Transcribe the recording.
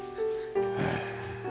へえ。